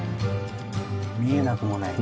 見えなくもない。